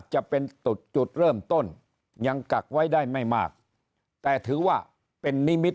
จะเป็นจุดเริ่มต้นยังกักไว้ได้ไม่มากแต่ถือว่าเป็นนิมิต